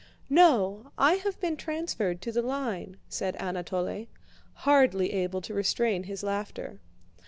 "No, I have been transferred to the line," said Anatole, hardly able to restrain his laughter.